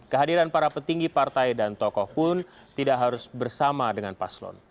kehadiran para petinggi partai dan tokoh pun tidak harus bersama dengan paslon